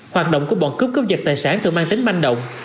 hoạt động của bọn cướp cướp giật tài sản thường mang tính manh động